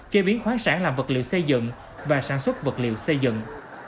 chế biến khoáng sản làm vật liệu xây dựng và sản xuất vật liệu xây dựng